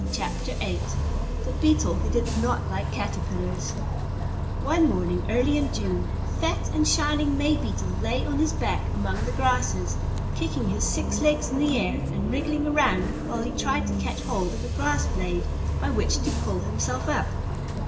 THE BEETLE WHO DID NOT LIKE CATERPILLARS One morning early in June, a fat and shining May Beetle lay on his back among the grasses, kicking his six legs in the air, and wriggling around while he tried to catch hold of a grass blade by which to pull himself up.